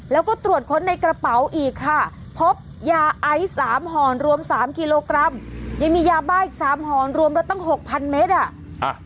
แล้วก็ตรวจค้นในกระเป๋าอีกค่ะพบยาไอซ์สามห่อนรวมสามกิโลกรัมยังมียาบ้าอีกสามห่อนรวมแล้วตั้งหกพันเมตรอ่ะ